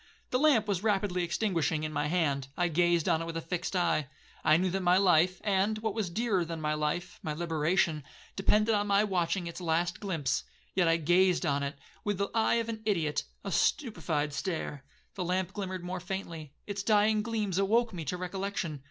The lamp was rapidly extinguishing in my hand,—I gazed on it with a fixed eye. I knew that my life, and, what was dearer than my life, my liberation, depended on my watching its last glimpse, yet I gazed on it with the eye of an ideot,—a stupified stare. The lamp glimmered more faintly,—its dying gleams awoke me to recollection.